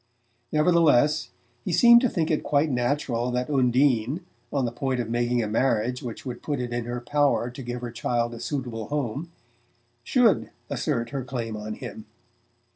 Nevertheless, he seemed to think it quite natural that Undine, on the point of making a marriage which would put it in her power to give her child a suitable home, should assert her claim on him.